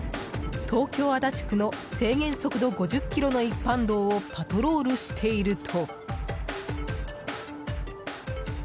東京・足立区の制限速度５０キロの一般道をパトロールしていると。